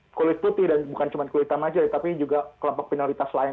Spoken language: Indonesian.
dengan kulit putih dan bukan cuma kulit hitam saja tapi juga kelompok penualitas lain